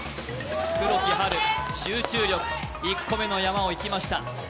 黒木華、集中力、１個目の山をいきました。